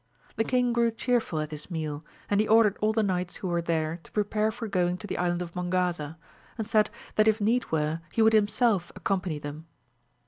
The king grew chearful at his meal, and he ordered all the knights who were there to prepare for going to the island of Mongaza, and said that if need were, he would himself accompany them.